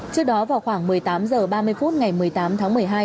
trước đó vào khoảng một mươi tám h ba mươi phút ngày một mươi tám tháng một mươi hai